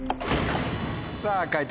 さぁ解答